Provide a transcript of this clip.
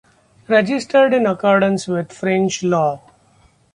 Registered in accordance with French Law.